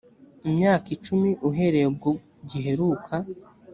imyaka icumi uhereye ubwo giheruka